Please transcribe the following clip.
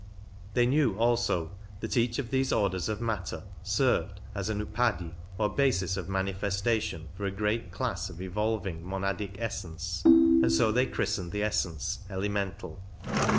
They knew also that each of these orders of matter served as an Upadhi or basis of manifestation for a great class of evolving monadic essence, and so they christened the essence " elemental